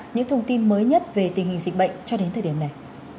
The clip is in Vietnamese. những thông tin mới nhất về tình hình dịch bệnh cho đến thời điểm này